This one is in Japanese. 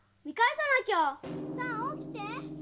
さあ起きて！